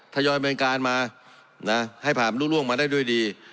ทยอยเป็นการมาให้ผ่านล่วงมาได้ด้วยดี